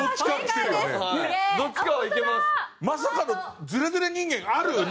まさかのズレズレ人間あるよね？